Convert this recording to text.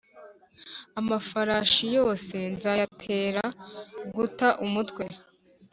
amafarashi yose nzayatera guta umutwe